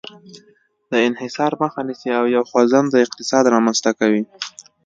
د انحصار مخه نیسي او یو خوځنده اقتصاد رامنځته کوي.